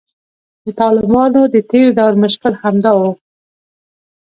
د طالبانو د تیر دور مشکل همدا و